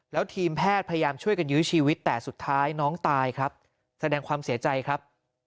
แล้วทีมแพทย์พยายามช่วยกันยื้อชีวิตแต่สุดท้ายน้องตายครับแสดงความเสียใจครับ